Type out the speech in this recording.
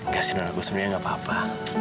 makasih man aku sebenernya gak apa apa